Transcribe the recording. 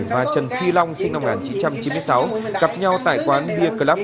và trần phi long sinh năm một nghìn chín trăm chín mươi sáu gặp nhau tại quán bia club